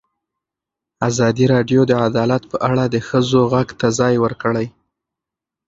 ازادي راډیو د عدالت په اړه د ښځو غږ ته ځای ورکړی.